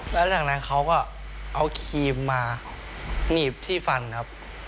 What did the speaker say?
แล้วจากนั้นเขาก็เอาครีมมาหนีบที่ฟันครับ